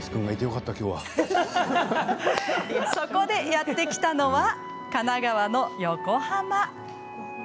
そこで、やって来たのは神奈川の横浜。